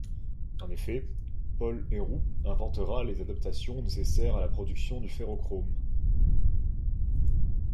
En effet, Paul Héroult inventera les adaptations nécessaires à la production du ferrochrome.